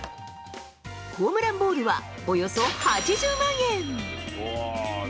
ホームランボールはおよそ８０万円。